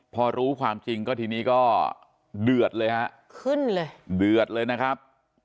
พอรู้ความจริงที่นี่ก็เดือดเลยนะครับ